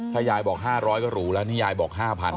ถ้ายายบอก๕๐๐ก็หรูแล้วนี่ยายบอก๕๐๐